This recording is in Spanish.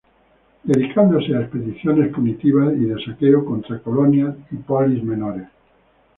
Dedicándose a expediciones punitivas y de saqueo contra colonias y "polis" menores.